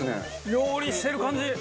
料理してる感じ！